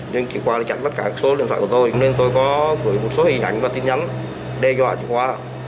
nhưng trịnh khoa lại chặn tất cả số điện thoại của tôi nên tôi có gửi một số hình ảnh và tin nhắn đe dọa trịnh khoa